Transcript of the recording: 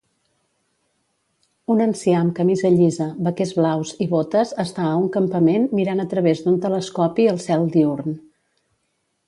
Un ancià amb camisa llisa, vaquers blaus i botes està a un campament mirant a través d'un telescopi al cel diürn